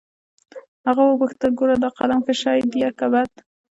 هغه وپوښتل ګوره دا قلم ښه شى ديه که بد.